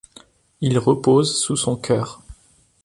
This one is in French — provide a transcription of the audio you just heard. Il repose sous son chœur.